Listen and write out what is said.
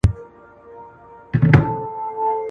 زه به سبا سیر کوم!؟